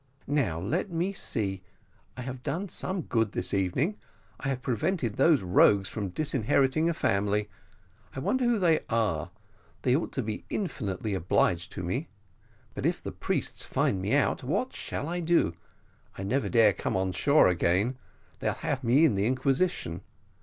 Now let me see I have done some good this evening. I have prevented those rogues from disinheriting a family. I wonder who they are; they ought to be infinitely obliged to me. But if the priests find me out, what shall I do? I never dare come on shore again they'd have me in the inquisition.